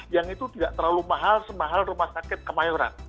yang itu tidak terlalu mahal semahal rumah sakit kemayoran